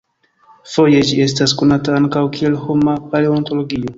Foje ĝi estas konata ankaŭ kiel "homa paleontologio".